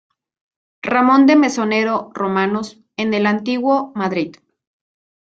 Ramón de Mesonero Romanos, en "El antiguo Madrid.